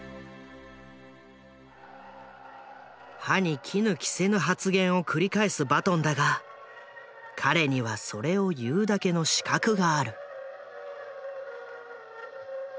歯に衣着せぬ発言を繰り返すバトンだが彼にはそれを言うだけの資格がある。